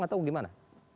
gak tau gimana